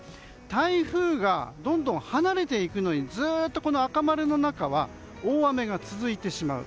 台風がどんどん離れていくのにずっと赤丸の中は大雨が続いてしまう。